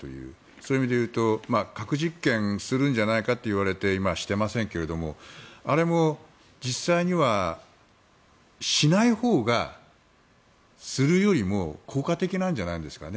そういう意味で言うと核実験するんじゃないかといわれて今、していませんけれどあれも実際にはしないほうがするよりも効果的なんじゃないですかね。